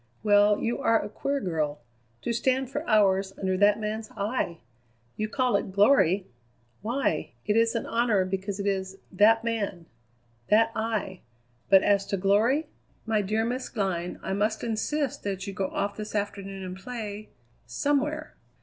Well, you are a queer girl. To stand for hours under that man's eye! You call it glory? Why, it is an honour because it is that man, that eye; but as to glory! My dear Miss Glynn, I must insist that you go off this afternoon and play somewhere.